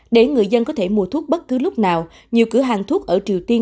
để người dân có thể mua thuốc bất cứ lúc nào nhiều cửa hàng thuốc ở triều tiên